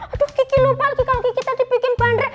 aduh kiki lupa lagi kalo kiki tadi bikin bandrek